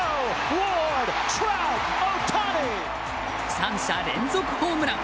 ３者連続ホームラン！